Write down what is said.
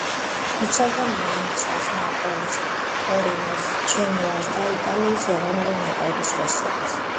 იცავდა „მონცას“, „ნაპოლის“, „ტორინოს“, „ჯენოასა“ და იტალიის ეროვნული ნაკრების ღირსებას.